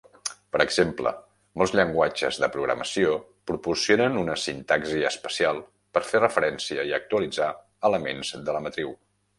Per exemple, molts llenguatges de programació proporcionen una sintaxi especial per fer referència i actualitzar elements de la matriu.